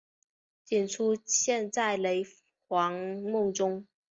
仅出现在雷凰梦中。